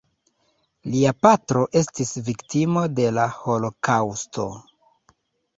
Lia patro estis viktimo de la holokaŭsto.